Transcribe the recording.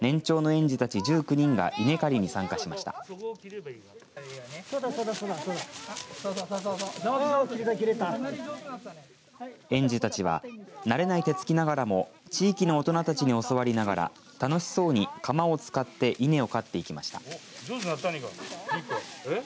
園児たちは慣れない手つきながらも地域の大人たちに教わりながら楽しそうに鎌を使って稲を刈っていきました。